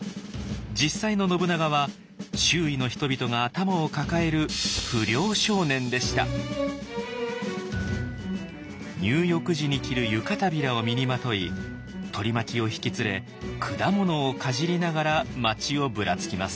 実際の信長は周囲の人々が頭を抱える入浴時に着る湯帷子を身にまとい取り巻きを引き連れ果物をかじりながら街をぶらつきます。